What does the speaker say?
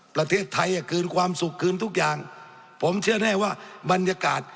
ประเทศไทยอ่ะคืนความสุขคืนทุกอย่างผมเชื่อแน่ว่าบรรยากาศ